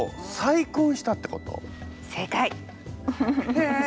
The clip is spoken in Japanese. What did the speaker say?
へえ！